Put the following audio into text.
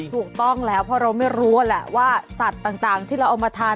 ถูกต้องแล้วเพราะเราไม่รู้แหละว่าสัตว์ต่างที่เราเอามาทาน